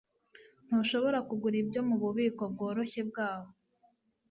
ntushobora kugura ibyo mububiko bworoshye bwaho